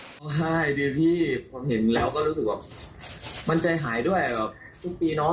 ร้องไห้ดีพี่ผมเห็นแล้วก็รู้สึกว่ามันใจหายด้วยแบบทุกปีน้อง